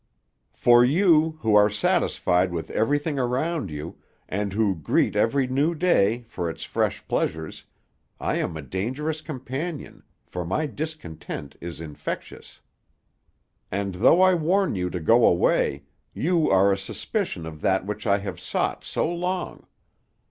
"For you, who are satisfied with everything around you, and who greet every new day for its fresh pleasures, I am a dangerous companion, for my discontent is infectious. And though I warn you to go away, you are a suspicion of that which I have sought so long.